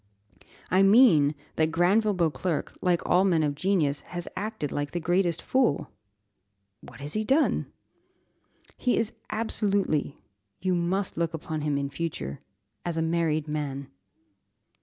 "I mean, that Granville Beauclerc, like all men of genius, has acted like the greatest fool." "What has he done?" "He is absolutely you must look upon him in future as a married man."